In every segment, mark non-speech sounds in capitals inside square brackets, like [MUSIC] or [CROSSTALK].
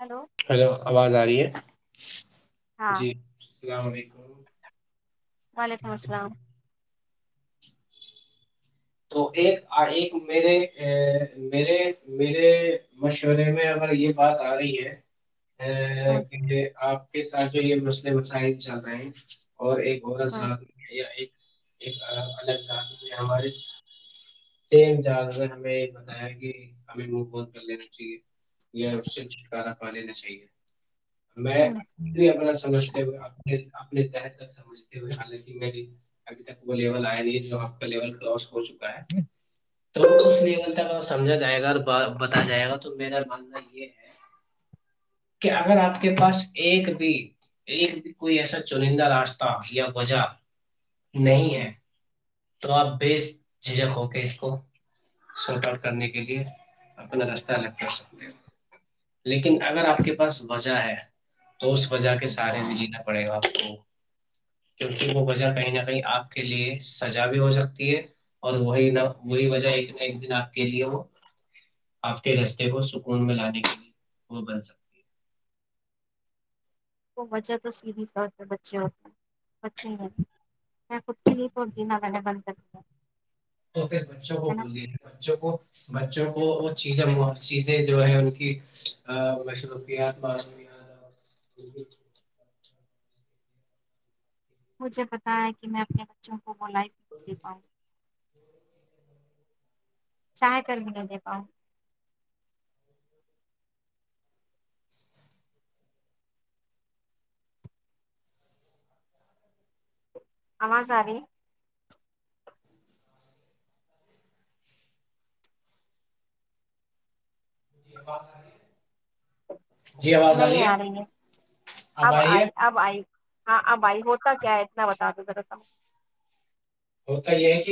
Hello hello آواز آ رہی ہے [UNINTELLIGIBLE] جی [INAUDIBLE] ہاں جی [INAUDIBLE] السلام علیکم [INAUDIBLE] وعلیکم السلام [UNINTELLIGIBLE] تو ایک ایک میرے ا مے میرے مشورے میں اگر یہ بات آ رہی ہے ہوں [UNINTELLIGIBLE] کیکہ آپ [UNINTELLIGIBLE] کے ساتھ جو یہ مسلے مسائل چل رہے ہیں [UNINTELLIGIBLE] اور ایک اور سا ہوں ایک [UNINTELLIGIBLE] ایک الگ الگ ذات میں ہمارے [UNINTELLIGIBLE] سیم جاز نے ہمیں یہ بتایا کہ ہمیں منہ پت کر لینا چاہیے یا اس سے چھٹکارا پا لینا چاہیے [UNINTELLIGIBLE] میں ہوں بھی اپنا سمجھتے ہوئے [UNINTELLIGIBLE] اپنے ت سمجھتے ہوئے حالکہ میری ابھی تک وہ لیول آیای ہے جو آپ کا لیول کراس ہو چکا ہے [UNINTELLIGIBLE] تو اس لیول تک سمجھا جائے گا بتا جائے گا تو میرا ماننا یہ ہے [UNINTELLIGIBLE] کہ اگر آپ کے پاس ایک بھی ایک بھی کوئی ایسا چنندہ راستہ یا وجہ [UNINTELLIGIBLE] نہیں ہے ہوں [UNINTELLIGIBLE] تو آپ ب جھجک ہو کے اس کو شارٹ آٹ کرنے کے لیے اپنا راستہ الگ کر سکتے ہیں لیکن اگر آپ کے پاس وجہ ہے اس وجہ کے ہوں سارے بجیلا پڑے گا آپ کو کیونکہ وہ وجہ کہیں نہ کہیں آپ کے لیے سزا بھی ہو سکتی ہے اور وہی نہ وہی وجہ ایک نہ ایک دن آپ کے لیے وہ آپ کے رستے کو سکون میں لانے کے لیے وہ بن سکتی ہے وہ وجہ تو سیدھیس بچے ہوتے بچے میں خود کے لیے تو جینا بند کرتی ہ تو پھر بچوں کو بولیے بچوں کو بچوں کو وہ چیز چیزیں جو ہے ان کی مصروفت مع مجھے پتا ہے کہ میں اپنے بچوں کو ل ب پا چاہ کر بھی نہیں دے پاؤں امازادی جی ب س نہیں آ رہی ہے اب آ رہی ہے آئی اب آئی ہاں آ بائی ہوتا کیا ہے اتنا بتا دوذرا ا ہوتا یہ ہے کہ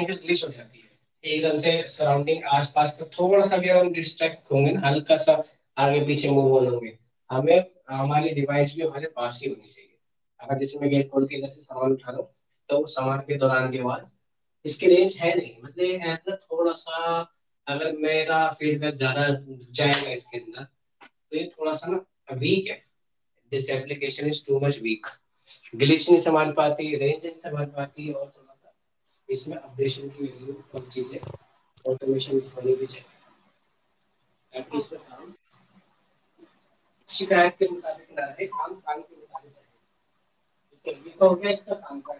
یکل کس ہو جاتی ہے ایک دم سے سراڈگ آس پاس کا تھوڑا سا بھی ڈٹرٹ ہ گے نا ہلکا سا آگے پیچھے م ہوں گے ہم ہماری ڈوائس بھی ہمارے پاس ہی ہونی چاہیے اگر جیسے سام اٹھا لوں تو سامان دوران اس کی رینج ہے نہیں مطل تھوڑا سا اگر میرا فیڈ بیک زیادہ جائے گا اس کے اندر تو یہ تھوڑا سا نابیک ہے ن م و گچ سمان پات رج سم پ ڑا سا اس آریشن کی ویو کم چیز ہےنم شکایت کے مطابقےم بھی تو ہوگے کا کام کر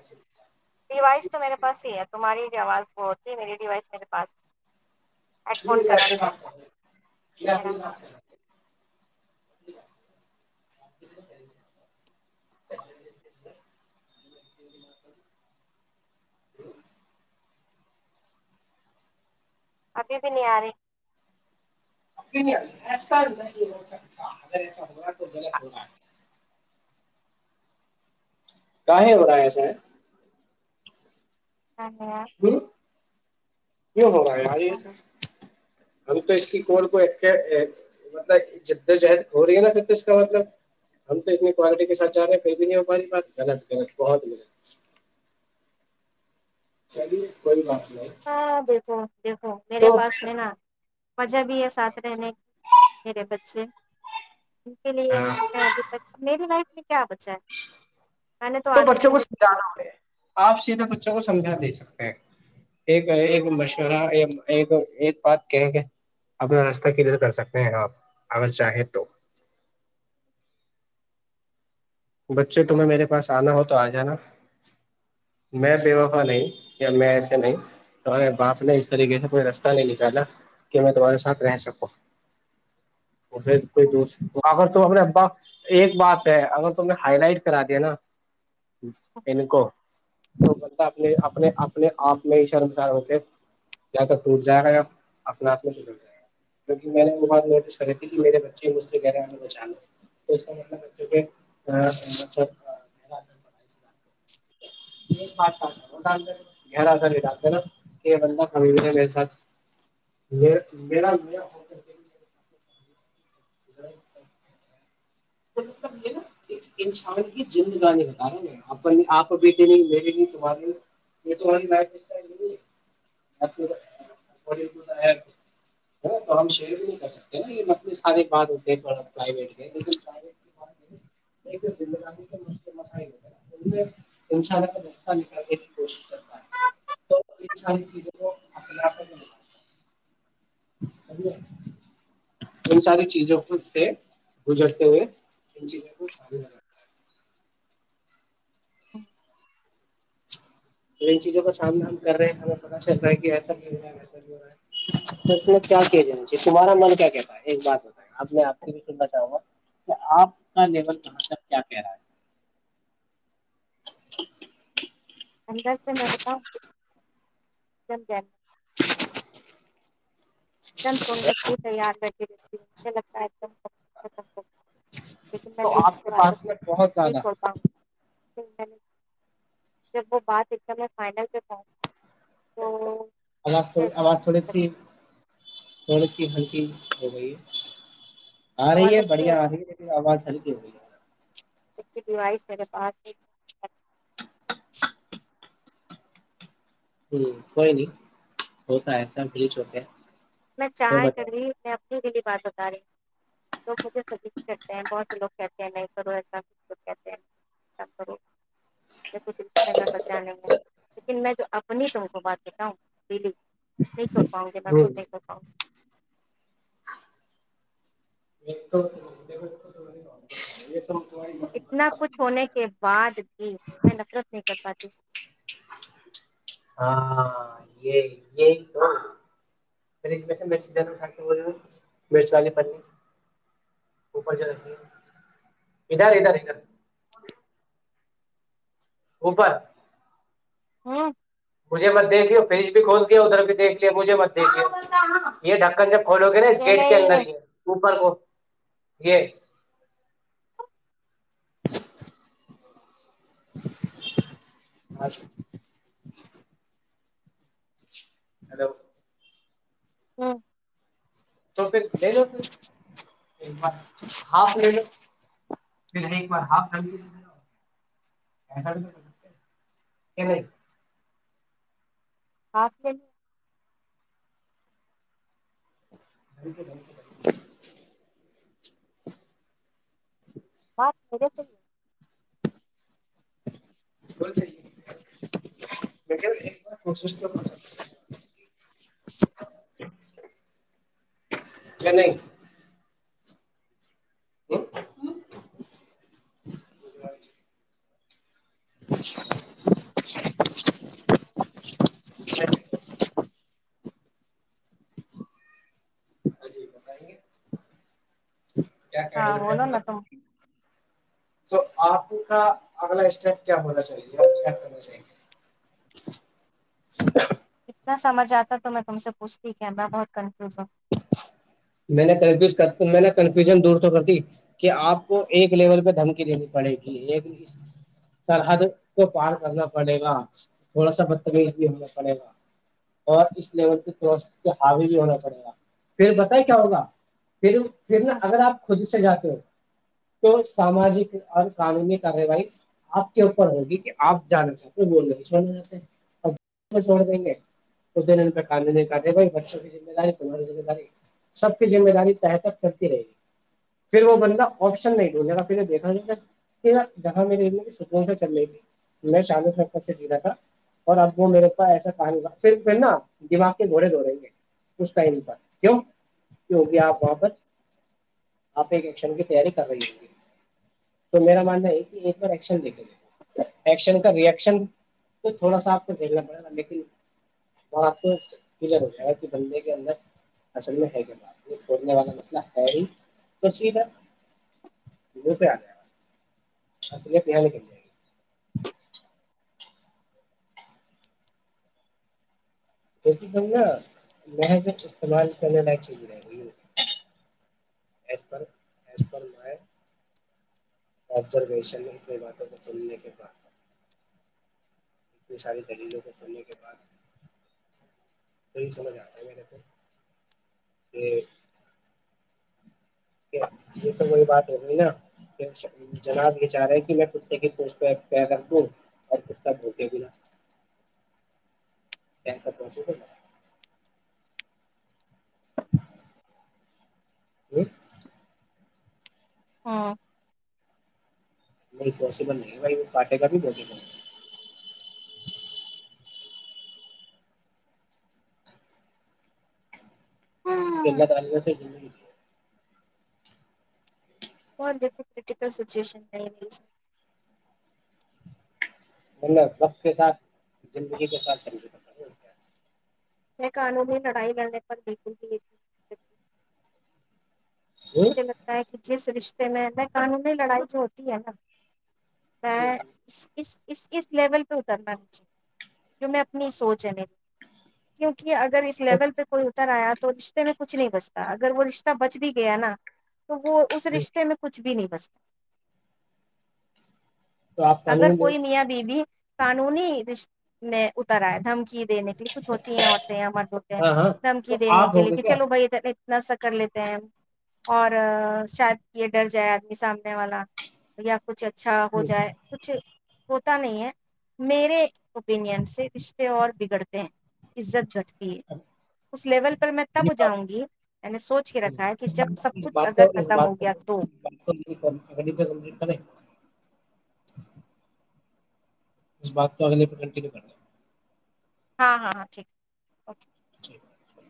ڈیوائس تو میرے پاس ہی ہے تمہاری جو آواز وہ ہوتی ہے میری ڈیوائس میرے پاس ہیڈ فون کنیکٹ ہے میرا ہاں ج [INAUDIBLE] ابھی بھی نہیں آ رہی ایسا نہیں ہو سکتا اگر ایسا ہو رہا تو غلط ہو رہا کایں ہو رہا ہے سر ہ ہاں کی ہوا ہے ماریس ہم تو اس کی کور کو مطلب جد و جہد ہو رہی ہے نا پھر تو اس کا مطلب ہم تو اتنی کوالٹی کے ساتھ جا رہے ہیں کوئی بھی نہیں ہواری بات غلط غلط بہتغل چلیے کوئی بات نہیں ہاں دیکھو دیکھو میرے تو پاس پھر میں نا جب یہ ساتھ رہنے میرے بچے ان کے لیے ہی ہاں میں ابھی تک میری لائف کیا بچا ہے میں نے تو آدھی بچوں کو زندگی جی لی سمجانا ہوگ آپ سیدھا بچوں کو سمجھا دی ایک ایک مشورہ ایک بات کہیں کہ اپنا راستہ کدھر کر سکتے ہیں آپ اگر چاہیں تو بچے تمہیں میرے پاس آنا ہو تو آ جانا میں بے وقا نہیں یا میں ایسے نہیں تمہارے باپ نے اس طریقے سے کوئی رستہ نہیں نکالا کہ میں تمہارے ساتھ رہ سکوں پھر کوئی ہے۔ دور اگر ت اپنے اباپ ایک بات ہے اگر تو ہائی لائٹ کرا دیا نا ان کو تو بندہ اپنے اپنے اپنے آپ میں ہی شرم کار ہوتے یا تو ٹوٹ جائے گا یا اپنے آپ میںر جائے گا کیکہ میں نے وہ بات نوٹس کری تھی کہ میرے بچے مجھ سے گہرے آنےچان تو اس کا مطلب کہ [INAUDIBLE] ات گ ڈتے نا کہ بندہ ک ہے میراتھ م انسان کی جندگانی بتا رہا ن آپ بھی د مے لی تمے یہ تو ہم شر بھی نہیں کر سکتےا یہ مسل سارے تے انان اپنا رہ نکالنے کی کوشش کرتا تو ان ساری چیزوں کو اپنے آ ان ساری چیزوں کو تھ گزرتے ہوئے ان چیزوں کو تو ان چیزوں کا سامنا ہم کر رہے ہیں ہمیں پتتا چل رہا ہے کہ ایسا بھی ہو رہا ہے وسا ہو رہا ہے اس میں کیا کیا ج تمہارا من کیا کہتا ہے ایک بات ہوتا ہے اب میں آپ سے بھی سننا چاہوں گا کہ آپ کا لیول کہاں تک کیا کہ رہا ہے اندر سے لگتا سمج ایک دم سننے کے لیے تیار رہ رہتی ہوں لگتا ہے ایک لیکن میں تو دل آپ کی کے بات پاس میں بہت نہیں زیادہ چھوڑتاا ہوں جب وہ بات اتنا میں فائنل پہ پہنچ تو ااز مجھے آاز عجیب تھڑچھی کونک کی ہھنکی ہو گئی آ رہی آواز ہے ہلکی ہو بڑھیا آ رہی ہے لیکن آواز سلکے بے کی ڈیوائس میرے پاس ہ کوئی نہیں ہوتا ایسا مل چوک میں چاہ کری میں بلی بات بتا رہی لوگ مجھے سجس کرتے ہیں بہت سے لوگ کہتے ہیں نہیں کرو ایسا کہتے ہیںب کرو میں کچھ رشتے میں بچا نہیں ہے لیکن میں جو اپنی تم کو بات دیتا ہوں بلی نہیں چ س کےتا ہ کو د یہ تو دیکھو یہ تمہاری اتنا کچھ محبت ہونے کے بعد بھی میں نفرت نہیں کر پاتی ہاں ہاں یہ یہی تو فریج مرچ والے پ اپر چ ادھر ادھر ادھر اوپر ہاں مجھے مت دیکھ لیا فریج بھی کھول دیا ادھر بھی دیکھ لیا مجھے مت دیک لیا یہ ڈھکن جب ف لو کے نا اس یہ گیٹ کے نہیں اندر ہی ہے اوپر کو ج اچ ہیلو ہوں تو پھر لے لو پ ایک ب ہاف لے لو پھر ایک بار ہسٹریل بک بات میرے سے ہی کیا نہیں [UNINTELLIGIBLE] چ ا جی بتائیں گے کیا گڑ ہاں بولو نا تم وال تو آپ کا اگلا اسٹیپ کیا ہونا چاہیے کیا کرنا چاہیے اتنا سمجھ آتا تو میں تم سے پوچھتی کہ میں بہت کنفیوز ہوں میں کنفیو میں نے کنفیوژن دور تو کر دی کہ آپ کو ایک لیول پہ دھمکی دینی پڑے گی ایک سرحد کو پار کرنا پڑے گا تھوڑا سا بدتمیز بھی ہونا پڑے گا اور اس لیول حاوی بھی ہونا پڑے گا پھر ت کیا ہوگا پھر پھر نا ہوں اگر آپ خود سے جاتے ہو تو ساماجک اور قانونی کاروائی آپ کے اوپر ہوگی کہ آپ جانا چاہتے ہو وہ نہیں چھڑنا چاہتے اور کو چھوڑ دیں گے خ دن ان کا قانونی کاروائی بچوں کیمہ داری پرانی ذم داری سب کی ذمہ داری تہ تک چلتی رہے گی پھر وہ بن گا آپشن نہیں ڈھونجھے گا پھر دیکھا جائےا دیکا میری سک سے چل رہے گی میں شاموں ت سے جا تھا اور اب وہ میرے ایسا کہ نہیں تھا پھر پھر نا دماغ کے دوڑے دھ رہیں گے اس ٹائم پر کیوں کی ہو گیا آپ وہاں پر آپ ایک ایکشن کی تیاری کر رہی ہوںی تو میرا ماننا یہ کہ ایک بار ایکشن لے کے ایکشن کا ر ایکشن تو تھوڑا سا آپ کو دیکھنا پڑے گا لیکن وہ آپ کو کلیئر ہو جائے گا کہ بندے کے اندر اصل میں ہے کیا بات چھوڑنے والا مسئلہ ہے ہی ک تھا پہ آ اصلے پنےنے بول ن محذ استعمال کرنے لائ چیز رہ گی ز م آبزرویشن اپنی باتوں کو سننے کے بع اتنی ساری دلیلوں کو سننے کے بعد وہی سمجھ آتا ہے میرے تو [INAUDIBLE] یہ تو وہی بات ہوگی نا جناب یہ چاہ رہے کہ میں کتے کی پوچ پہ پیدم اور کتا بھکے گلا کیسا پہنچے گا [INAUDIBLE] [INAUDIBLE] نہیں پوسبل نہیں بھائی وہ پٹے کاا بھی پکبل نہیں ہوں پہلا تاریق سے ج کون دیکھو کرٹیکل سچویشن نہیں رہ مطلب وقت کے ساتھ زندگی کے ساتھ سمج یہ قانونی لڑائی لڑنے پر بالکل بھی مجھے لگتا ہے کہ جس رشتے میں میں قانونی لڑائی جو ہوتی ہے نا ا اس اس اس لیول پہ اترنا ماہیے جو میں اپنی سوچ ہے میری کیونکہ کہ اگر اس لیول پہ کوئی اتر آیا تو تو رشتے میں کچھ نہیں بچتا اگر وہ رشتہ بچ بھی گیا نا تو وہ اس رشتے میں کچھ بھی نہیں [INAUDIBLE] تو آپ اگر قانون دے, کوئی میاں بیوی قانونی رشتے میں اترا ہے دھم دمکی دینے کے لیے کچھ ہوتی ہیں عورتیں ہیں مرد ہوتے ہیں ہاں ہاں دھمکی تو دینے آپ کے لیے ہوگے کہ کیا چلو بھائی نا س کر لیتے ہیں اور شاید یہ ڈر جائے آدمی سامنے والا یا کچھ اچھا ہو جائے ہوتا نہیں ہے میرے اوپینین سے رشتے اور بگڑتے ہیں عزت گٹتے اس لیول پر میں یہ تب جاؤں بات گی میں نے سوچ کے رکھا ہے کہ جب سب اس بات اس کچھ بات اگر کو اس ختم بات ہو گیا تو کو بات کو اگلی پہ کمپلیٹ کریں [INAUDIBLE] اس بات تو اگلے کنٹینیو کرنا ہاں ہاں ہاں ٹھیک ہے اوکے [INAUDIBLE]